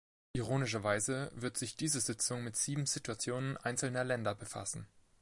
Ironischerweise wird sich diese Sitzung mit sieben Situationen einzelner Länder befassen.